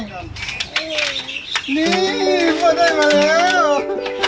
นี่ก็ได้มาแล้ว